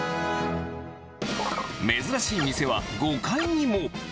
珍しい店は５階にも。